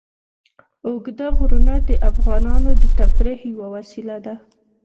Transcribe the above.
اوږده غرونه د افغانانو د تفریح یوه وسیله ده.